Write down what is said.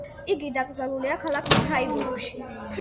იგი დაკრძალულია ქალაქ ფრაიბურგში.